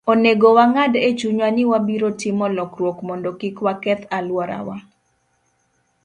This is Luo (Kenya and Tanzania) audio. Onego wang'ad e chunywa ni wabiro timo lokruok mondo kik waketh alworawa.